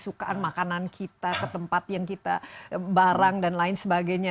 kesukaan makanan kita ke tempat yang kita barang dan lain sebagainya